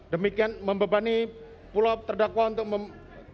demikian membebani pulau terdakwa untuk membeli